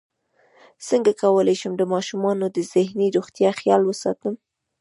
څنګه کولی شم د ماشومانو د ذهني روغتیا خیال وساتم